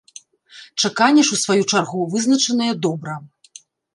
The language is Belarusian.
Чакання ж, у сваю чаргу, вызначаныя добра.